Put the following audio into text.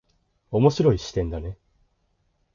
面白い視点だね。